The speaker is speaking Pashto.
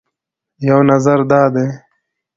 یو نظر دا دی